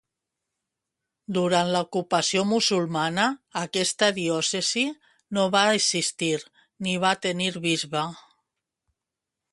Durant l'ocupació musulmana aquesta diòcesi no va existir ni va tenir bisbe